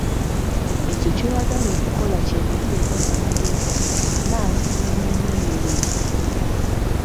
Ekyo ky'oyagala okukola kyemalireko n'amagezi, amaanyi n'emmeeme yo yonna.